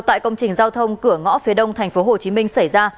tại công trình giao thông cửa ngõ phía đông tp hcm xảy ra